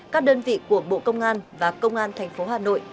các đơn vị của bộ công an và công an thành phố hà nội